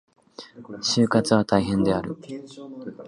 就活は大変である。